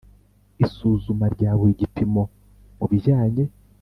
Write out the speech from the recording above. Isuzuma rya buri gipimo mu bijyanye